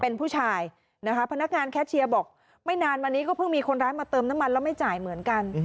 เป็นผู้ชายนะคะพนักงานแคชเชียร์บอกไม่นานมานี้ก็เพิ่งมีคนร้ายมาเติมน้ำมันแล้วไม่จ่ายเหมือนกัน